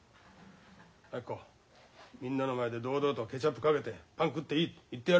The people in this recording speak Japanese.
明子みんなの前で堂々とケチャップかけてパン食っていいって言ってやれ。